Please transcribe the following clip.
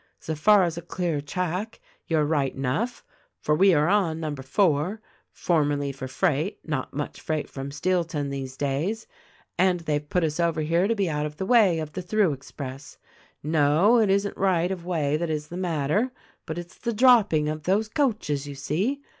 So far as a clear track, you are right enough, for we are on number four — (formerly for freight — not much freight from Steelton these days) — and they've put us over here to be out of the way of the through ex press. No; it isn't right of way that is the matter, but it's the dropping of those coaches, you see.